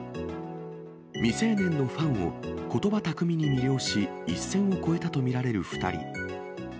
未成年のファンをことば巧みに魅了し、一線を越えたと見られる２人。